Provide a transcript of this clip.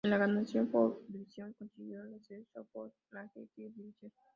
En la ganaron la Fourth Division, consiguiendo el ascenso a Football League Third Division.